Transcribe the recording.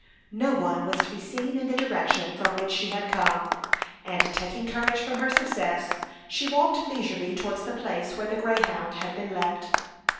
No one was to be seen in the direction from which she had come, and taking courage from her success, she walked leisurely towards the place where the Greyhound had been left.